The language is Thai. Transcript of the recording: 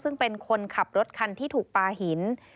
ซึ่งเป็นคนขับรถคันที่ถูกปลาหิน